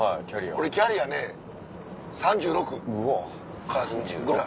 俺キャリアね３６ぐらい。